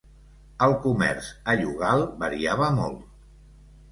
El comerç a Youghal variava molt.